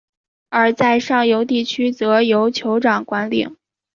而在上游地区则由酋长管领。